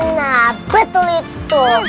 nah betul itu